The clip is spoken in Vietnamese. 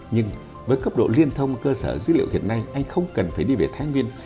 nhưng với cấp độ liên thông cơ sở dữ liệu hiện nay anh không cần phải đi về thái nguyên